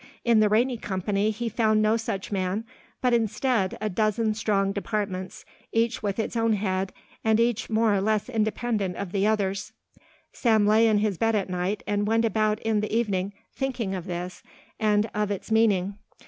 In the Rainey Company he found no such man, but, instead, a dozen strong departments, each with its own head and each more or less independent of the others. Sam lay in his bed at night and went about in the evening thinking of this and of its meaning.